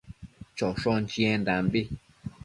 choshon chiendambi